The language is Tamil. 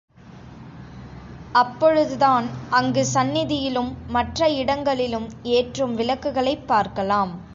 அப்பொழுதுதான் அங்கு சந்நிதியிலும் மற்ற இடங்களிலும் ஏற்றும் விளக்குகளைப் பார்க்கலாம்.